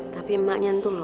tapi emak nyentuh loh